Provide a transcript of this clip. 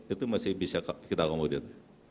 itu masih bisa kita komodir